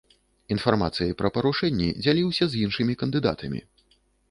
Інфармацыяй пра парушэнні дзяліўся з іншымі кандыдатамі.